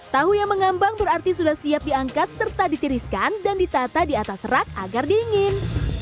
tahu yang mengambang berarti sudah siap diangkat serta ditiriskan dan ditata di atas rak agar dingin